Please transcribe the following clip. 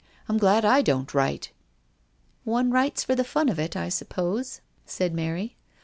"I'm glad I don't write." " One writes for the fun of it, I suppose," said Mary.